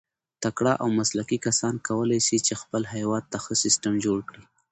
تکړه او مسلکي کسان کولای سي، چي خپل هېواد ته ښه سیسټم جوړ کي.